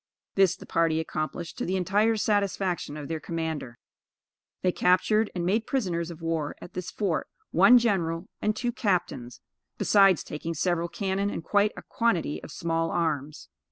This the party accomplished to the entire satisfaction of their commander. They captured and made prisoners of war at this fort, one general and two captains, besides taking several cannon and quite a quantity of small arms.